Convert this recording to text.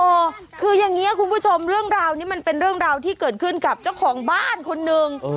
เออคืออย่างนี้คุณผู้ชมเรื่องราวนี้มันเป็นเรื่องราวที่เกิดขึ้นกับเจ้าของบ้านคนหนึ่ง